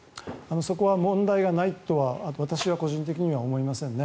そこは問題がないとは私は個人的には思いません。